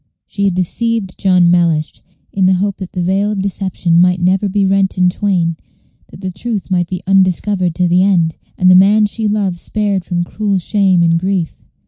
She had deceived John Mellish, in the hope that the veil of deception might never be rent in twain, that the truth might be undiscovered to the end, and the man she loved spared from cruel shame and grief.